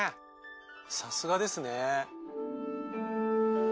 さすがですね。